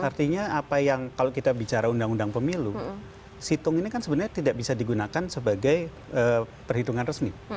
artinya apa yang kalau kita bicara undang undang pemilu situng ini kan sebenarnya tidak bisa digunakan sebagai perhitungan resmi